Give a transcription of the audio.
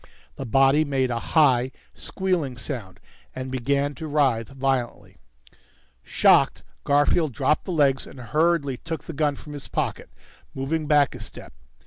The body made a high, squealing sound and began to writhe violently. Shocked, Garfield dropped the legs and hurriedly took the gun from his pocket, moving back a step.